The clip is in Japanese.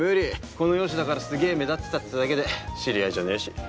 この容姿だからすげぇ目立ってたってだけで知り合いじゃねえし。